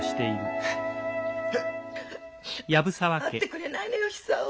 会ってくれないのよ久男。